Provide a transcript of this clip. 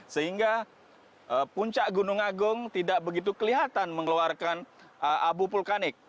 sehingga puncak gunung agung tidak begitu kelihatan mengeluarkan abu vulkanik